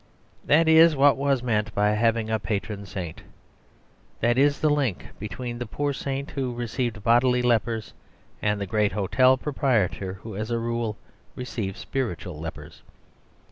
That is what was meant by having a patron saint. That is the link between the poor saint who received bodily lepers and the great hotel proprietor who (as a rule) receives spiritual lepers.